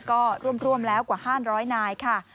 ก็ร่วมแล้วกว่า๕๐๐นายค่ะ